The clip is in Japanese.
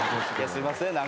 すいません。